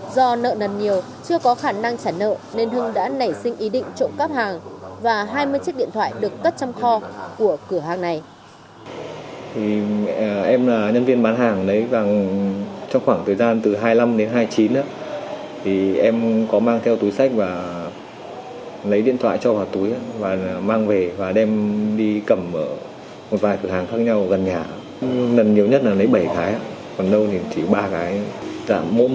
do nợ nần nhiều chưa có khả năng trả nợ nên hưng đã nảy sinh ý định trộm cắp hàng và hai mươi chiếc điện thoại được cất trong kho của cửa hàng này